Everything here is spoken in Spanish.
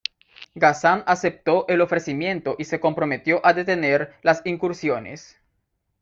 Ghazan aceptó el ofrecimiento y se comprometió a detener las incursiones.